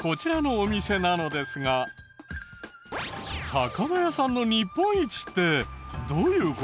魚屋さんの日本一ってどういう事？